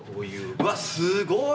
うわすごい！